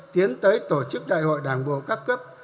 tiến tới tổ chức đại hội đảng bộ các cấp